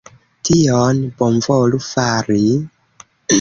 Tion... Bonvolu fari...